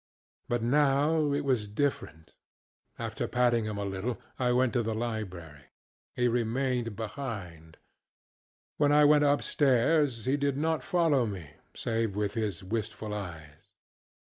But now it was different: after patting him a little I went to the libraryŌĆöhe remained behind; when I went upstairs he did not follow me, save with his wistful eyes.